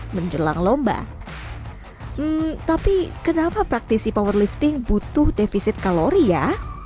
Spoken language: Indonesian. menjelang lomba tapi kenapa praktisi powerlifting butuh defisit kalori ya